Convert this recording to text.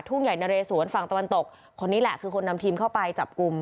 ทุ่งใหญ่นะเรสวนฝั่งตะวันตกคนนี้แหละคือคนนำทีมเข้าไปจับกลุ่ม